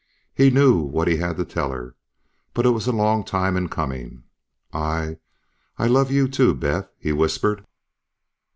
He knew what he had to tell her, but it was a long time in coming. "I ... I love you too, Beth," he whispered.